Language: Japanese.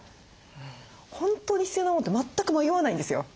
本当に必要なモノって全く迷わないんですよ。